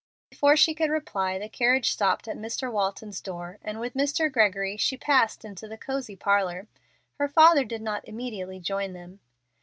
Before she could reply the carriage stopped at Mr. Walton's door, and with Mr. Gregory she passed into the cosey parlor. Her father did not immediately join them.